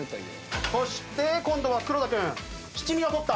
そして今度は黒田君七味を取った。